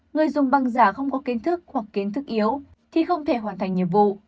người dùng băng giả không có kiến thức hoặc kiến thức yếu thì không thể hoàn thành nhiệm vụ